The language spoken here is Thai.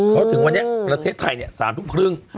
เขาถึงวันนี้ประเทศไทย๓ทุ่มครึ่ง